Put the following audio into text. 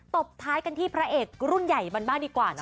ตบท้ายกันที่พระเอกรุ่นใหญ่มันบ้างดีกว่านะ